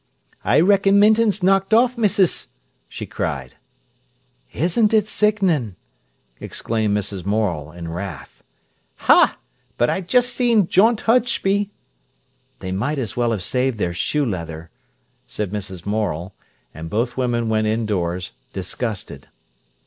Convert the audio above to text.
"I reckon Minton's knocked off, missis," she cried. "Isn't it sickenin'!" exclaimed Mrs. Morel in wrath. "Ha! But I'n just seed Jont Hutchby." "They might as well have saved their shoe leather," said Mrs. Morel. And both women went indoors disgusted.